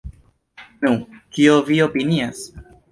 Nu, kion vi opinias?